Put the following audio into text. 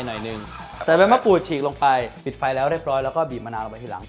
หน่อยหนึ่งใส่ใบมะปูดฉีกลงไปปิดไฟแล้วเรียบร้อยแล้วก็บีบมะนาวลงไปทีหลัง